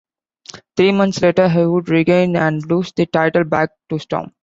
Three months later, he would regain and lose the title back to Storm.